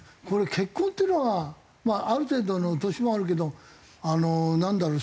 結婚っていうのはまあある程度の年もあるけどあのなんだろう